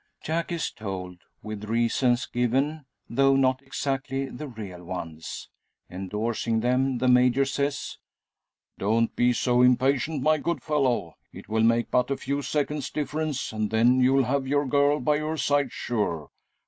Jack is told, with reasons given, though not exactly the real ones. Endorsing them, the Major says "Don't be so impatient, my good fellow! It will make but a few seconds' difference; and then you'll have your girl by your side, sure.